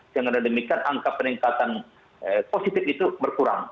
dengan demikian angka peningkatan positif itu berkurang